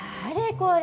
これ。